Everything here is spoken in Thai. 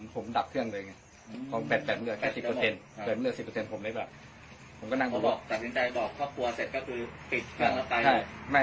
ผมดับเครื่องเลยเนี่ย